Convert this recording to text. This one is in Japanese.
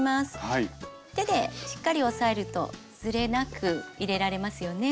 手でしっかり押さえるとずれなく入れられますよね。